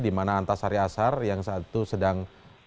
di mana antasari asar yang saat itu sedang